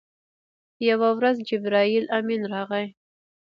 یوه ورځ جبرائیل امین راغی.